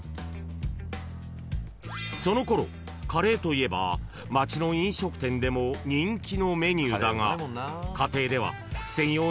［その頃カレーといえば街の飲食店でも人気のメニューだが家庭では］